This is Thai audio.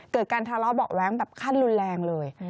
เกิดการทะเลาะเบาะแว้งแบบขั้นรุนแรงเลย